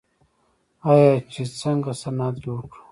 آیا چې څنګه صنعت جوړ کړو؟